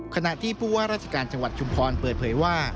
ขณะที่ผู้ว่าราชการจังหวัดชุมพรเปิดเผยว่า